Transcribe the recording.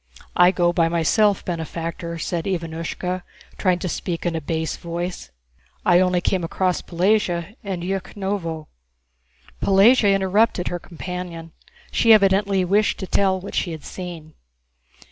"I go by myself, benefactor," said Ivánushka, trying to speak in a bass voice. "I only came across Pelagéya in Yúkhnovo...." Pelagéya interrupted her companion; she evidently wished to tell what she had seen.